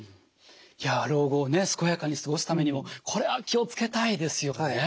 老後を健やかに過ごすためにもこれは気を付けたいですよね。